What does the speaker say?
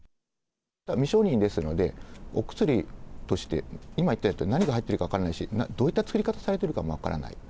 未承認ですので、お薬として、今、一体何が入っているか分からないし、どういった作り方されてるかも分からない。